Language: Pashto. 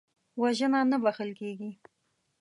وژنه نه بخښل کېږي